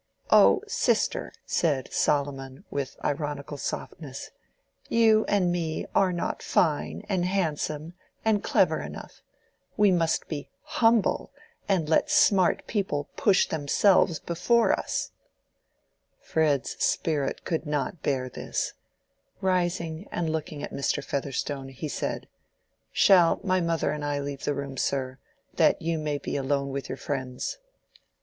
"Oh, sister," said Solomon, with ironical softness, "you and me are not fine, and handsome, and clever enough: we must be humble and let smart people push themselves before us." Fred's spirit could not bear this: rising and looking at Mr. Featherstone, he said, "Shall my mother and I leave the room, sir, that you may be alone with your friends?"